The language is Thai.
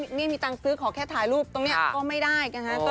ไม่มีตังค์ซื้อขอแค่ถ่ายรูปตรงนี้ก็ไม่ได้นะฮะ